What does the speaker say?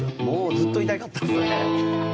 ずっといたかったですね。